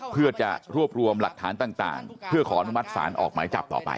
เพื่อจะรวบรวมหลักฐานต่างเพื่อขออนุมัติศาลออกหมายจับต่อไป